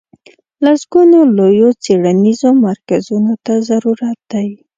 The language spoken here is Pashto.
لسګونو لویو څېړنیزو مرکزونو ته ضرورت دی.